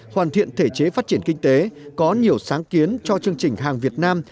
hoàn thiện thể chế phát triển kinh tế có nhiều sáng kiến cho chương trình hàng việt nam